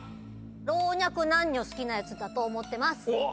老若男女好きなやつだと思ってます。